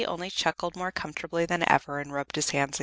only chuckled more comfortably than ever and rubbed his hands again.